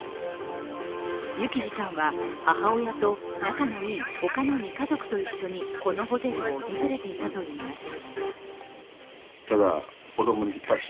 幸士さんは母親と仲のいい他の２家族と一緒にこのホテルを訪れていたといいます。